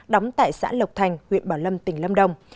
đóng tại xã lộc thành huyện bảo lâm tỉnh lâm đồng